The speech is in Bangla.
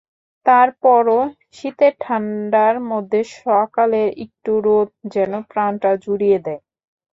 তার পরও শীতের ঠান্ডার মধ্যে সকালের একটু রোদ যেন প্রাণটা জুড়িয়ে দেয়।